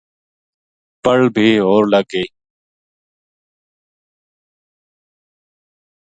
پل بے ہور لگ گئی